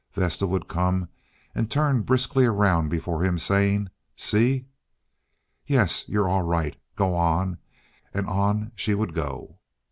Vesta would come and turn briskly around before him, saying, "See." "Yes. You're all right. Go on"; and on she would go.